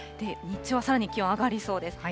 日中はさらに気温上がりそうです。